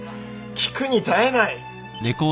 聞くに堪えない！